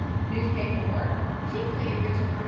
Newspaper work, chiefly in Richmond, Va.